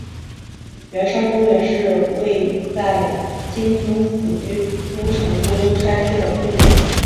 圆山公园是位在京都府京都市东山区的公园。